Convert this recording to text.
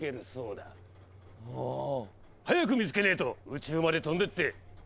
あぁ！早く見つけねえと宇宙まで飛んでって。